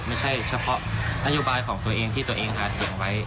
ไม่ใช่เฉพาะนโยบายของตัวเองที่ตัวเองหาเสียงไว้